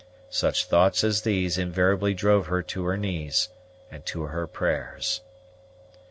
Such thoughts as these invariably drove her to her knees and to her prayers.